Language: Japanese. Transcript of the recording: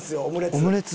オムレツ。